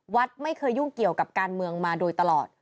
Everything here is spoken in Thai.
วัดไม่เคยยุ่งเกี่ยวกับการเมืองมาโดยตลอด